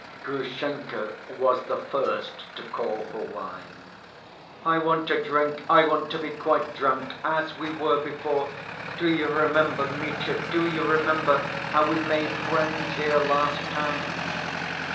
Grushenka was the first to call for wine. "I want to drink. I want to be quite drunk, as we were before. Do you remember, Mitya, do you remember how we made friends here last time!"